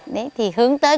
đấy thì hướng tới